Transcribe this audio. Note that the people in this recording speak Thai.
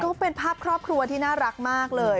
ก็เป็นภาพครอบครัวที่น่ารักมากเลย